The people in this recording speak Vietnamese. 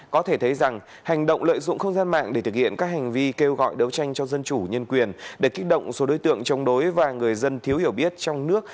có thể thấy rằng hành động lợi dụng không gian mạng để thực hiện các hành vi kêu gọi đấu tranh cho dân chủ nhân quyền để kích động số đối tượng chống đối và người dân thiếu hiểu biết trong nước